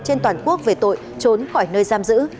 trên toàn quốc về tội trốn khỏi nơi giam giữ